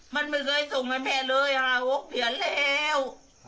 มันไม่เคยส่งให้แม่เลยหาโรคเปลี่ยนแล้ว